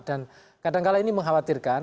dan kadangkala ini mengkhawatirkan